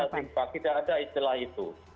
tidak ada jurassic park tidak ada istilah itu